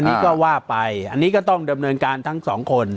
อันนี้ก็ว่าไปอันนี้ก็ต้องดำเนินการทั้งสองคน